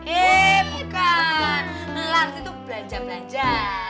eh bukan ngelar itu belanja belanja